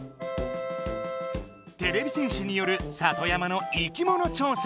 てれび戦士による里山の生きもの調査。